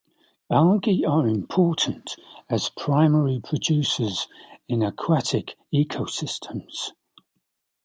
Algae are important as primary producers in aquatic ecosystems.